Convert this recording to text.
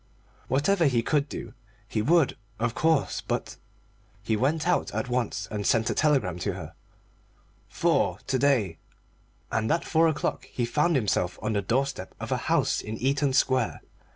Whatever he could do he would, of course, but He went out at once and sent a telegram to her. "Four to day." And at four o'clock he found himself on the doorstep of a house in Eaton Square.